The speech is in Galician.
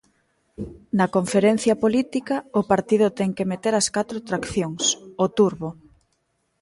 Na conferencia política o partido ten que meter as catro traccións, o turbo.